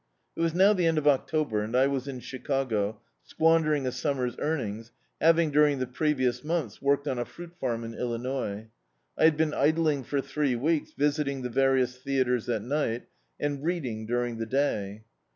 It was now the end of October, and I was in Chi cago squandering a summer's earnings having, dur^ ing the previous mcniths, worked on a fruit farm in Illinois. I had been idling for three weeks, visit ing the various theatres at ni^t, and reading during the day.